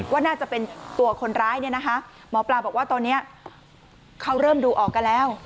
ว่าน่าจะเป็นตัวคนร้ายเนี่ยนะคะหมอปลาบอกว่าตอนนี้เขาเริ่มดูออกกันแล้ว